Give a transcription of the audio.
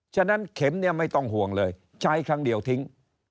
ฉะนั้นเข็มเนี่ยไม่ต้องห่วงเลยใช้ครั้งเดียวทิ้ง